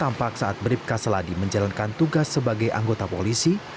tampak saat beribka seladi menjalankan tugas sebagai anggota polisi